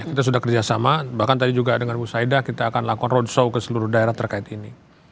kita sudah kerjasama bahkan tadi juga dengan bu saidah kita akan lakukan roadshow ke seluruh daerah terkait ini